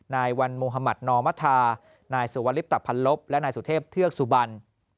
นายวันมุธมัธนอมธานายสุวลิปตะพันลบและนายสุเทพเทือกสุบัน